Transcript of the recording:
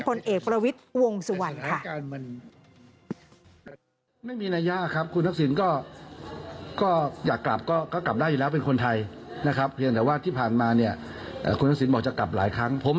พลเอกประวิทวงสุวรรค์ค่ะ